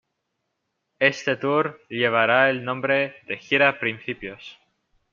Este tour llevará el nombre de 'Gira Principios'.